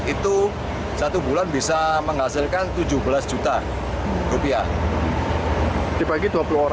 itu satu bulan bisa menghasilkan tujuh belas juta rupiah